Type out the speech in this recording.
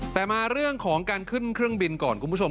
แต่มาเรื่องของการขึ้นเครื่องบินก่อนคุณผู้ชม